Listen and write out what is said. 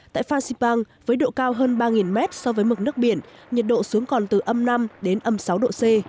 tại pha xipang với độ cao hơn ba mét so với mực nước biển nhiệt độ xuống còn từ âm năm đến âm sáu độ c